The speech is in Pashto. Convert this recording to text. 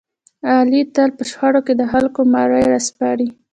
علي تل په شخړو کې د خلکو مړي را سپړي.